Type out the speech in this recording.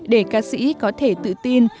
để ca sĩ có thể tự tin